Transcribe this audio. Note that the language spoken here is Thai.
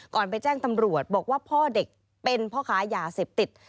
ไปแจ้งตำรวจบอกว่าพ่อเด็กเป็นพ่อค้ายาเสพติด